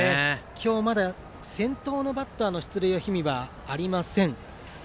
今日、まだ先頭のバッターの出塁は氷見はありません。